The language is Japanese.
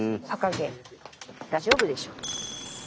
大丈夫でしょ。